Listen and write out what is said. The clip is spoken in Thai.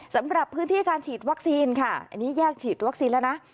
สำหรับพื้นที่การฉีดวัคซีนค่ะอันนี้แยกฉีดวัคซีนแล้วนะ